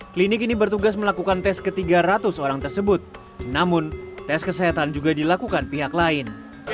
klinik ini bertugas melakukan tes ke tiga ratus orang tersebut namun tes kesehatan juga dilakukan pihak lain